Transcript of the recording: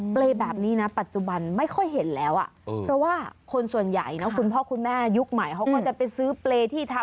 เปรย์แบบนี้นะปัจจุบันไม่ค่อยเห็นแล้วอ่ะเพราะว่าคนส่วนใหญ่คุณพ่อคุณแม่ยุคใหม่